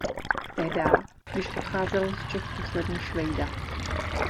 Tehdá, když odcházel z Čech poslední Švejda.